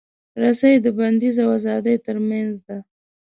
رسۍ د بندیز او ازادۍ ترمنځ ده.